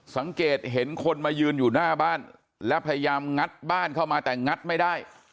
สังเกตเห็นคนมายืนอยู่หน้าบ้านและพยายามงัดบ้านเข้ามาแต่งัดไม่ได้